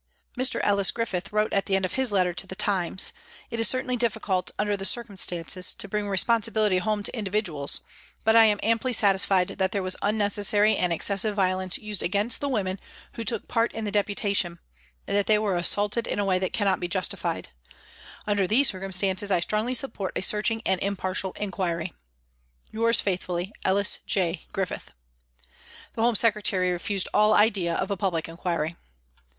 Mr. Ellis Griffith wrote at the end of his letter to the Times :" It is certainly difficult, under the circumstances, to bring responsibility home to individuals, but I am THE CONCILIATION BILL 315 amply satisfied that there was unnecessary and excessive violence used against the women who took part in the Deputation, and that they were assaulted in a way that cannot be justified. " Under these circumstances, I strongly support a searching and impartial inquiry. ..," Yours faithfully, " ELLIS J. GRIFFITH." The Home Secretary refused all idea of a public inquiry.